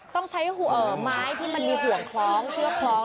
ต้องใช้ไม้ที่มันมีห่วงคล้องเชือกคล้อง